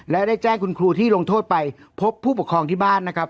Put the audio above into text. และได้แจ้งคุณครูที่ลงโทษไปพบผู้ปกครองที่บ้านนะครับ